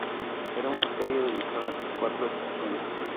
Era una serie dedicada a las cuatro estaciones.